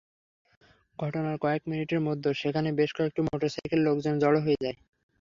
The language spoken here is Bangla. ঘটনার কয়েক মিনিটের মধ্যে সেখানে বেশ কয়েকটি মোটরসাইকেলে লোকজন জড়ো হয়ে যায়।